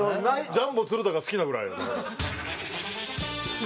ジャンボ鶴田が好きなぐらい。